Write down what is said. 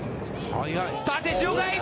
縦、塩貝。